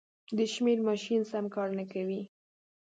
د شمېر ماشین سم کار نه کوي.